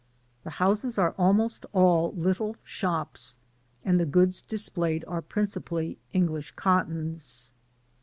^be bouses are almost all little ^ps, and the^ goods .displayed are principally English cottons.